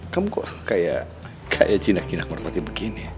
kamu kok kayak kayak cina cina seperti begini ya